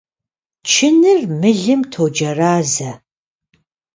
Чыныр мылым тоджэразэ.